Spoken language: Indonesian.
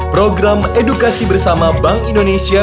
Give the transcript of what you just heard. program edukasi bersama bank indonesia